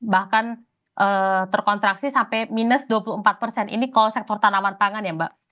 bahkan terkontraksi sampai minus dua puluh empat persen ini call sektor tanaman pangan ya mbak